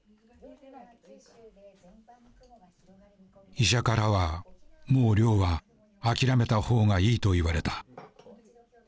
医者からはもう漁は諦めたほうがいいと言われた。